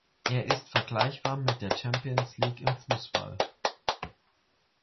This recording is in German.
Er ist vergleichbar mit der Champions-League im Fußball.